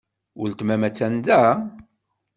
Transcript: Weltma-m attan da?